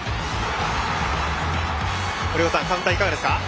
森岡さん、カウンターいかがでした？